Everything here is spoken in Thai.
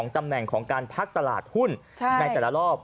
ตำแหน่งของการพักตลาดหุ้นในแต่ละรอบ